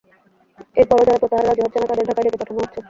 এরপরও যাঁরা প্রত্যাহারে রাজি হচ্ছেন না, তাঁদের ঢাকায় ডেকে পাঠানো হচ্ছে।